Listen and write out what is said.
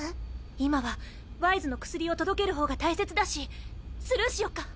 今はワイズの薬を届ける方が大切だしスルーしよっか。